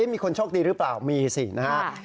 มีคนโชคดีหรือเปล่ามีสินะครับ